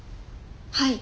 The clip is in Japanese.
はい。